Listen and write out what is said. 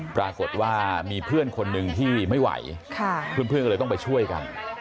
ปรากฏว่ามีเพื่อนคนหนึ่งที่ไม่ไหวเพื่อนก็เลยต้องไปช่วยกัน